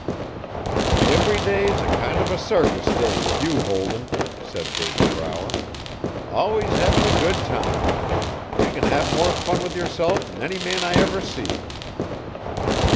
'Ev'ry day's a kind uv a circus day with you, Holden,' said David Brower. 'Alwuss hevin' a good time. Ye can hev more fun with yerseif 'n any man I ever see.'